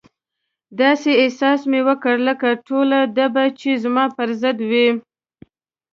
داسې احساس مې وکړ لکه ټوله ډبه چې زما پر ضد وي.